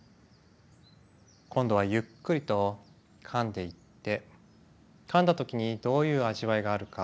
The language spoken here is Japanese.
今度はゆっくりとかんでいってかんだ時にどういう味わいがあるか